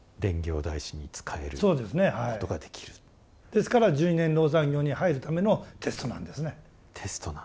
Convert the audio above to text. ですから十二年籠山行に入るためのテストなんですね。